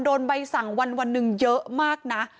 โดนใบสั่งวันหนึ่งเยอะมากนะ